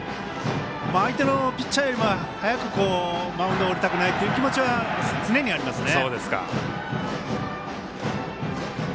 相手のピッチャーよりも早くマウンドを降りたくないという気持ちは常にありますね。